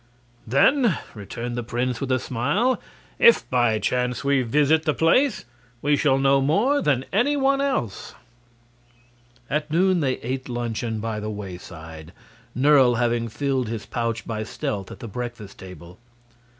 "Then," returned the prince, with a smile, "if by chance we visit the place we shall know more than any one else." At noon they ate luncheon by the wayside, Nerle having filled his pouch by stealth at the breakfast table.